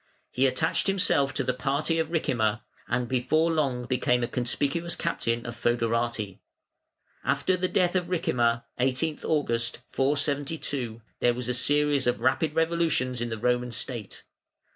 He attached himself to the party of Ricimer, and before long became a conspicuous captain of fœderati After the death of Ricimer (18th August, 472), there was a series of rapid revolutions in the Roman State.